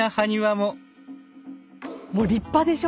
もう立派でしょ？